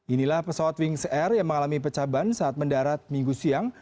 inilah pesawat wings air yang mengalami pecah ban saat mendarat minggu siang